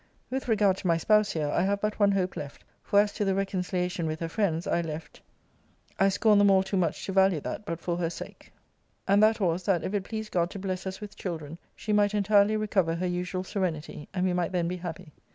With regard to my spouse here, I have but one hope left, (for as to the reconciliation with her friends, I left, I scorn them all too much to value that, but for her sake,) and that was, that if it pleased God to bless us with children, she might entirely recover her usual serenity; and we might then be happy.